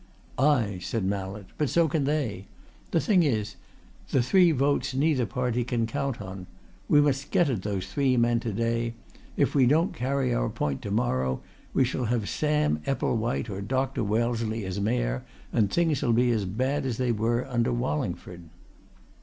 "Ay!" said Mallett. "But so can they! The thing is the three votes neither party can count on. We must get at those three men to day. If we don't carry our point to morrow, we shall have Sam Epplewhite or Dr. Wellesley as Mayor, and things'll be as bad as they were under Wallingford."